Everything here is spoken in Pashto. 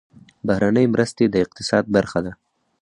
بهرنۍ مرستې د اقتصاد برخه ده